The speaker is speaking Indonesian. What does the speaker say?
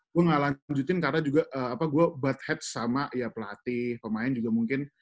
gue gak lanjutin karena juga gue butt hatch sama pelatih pemain juga mungkin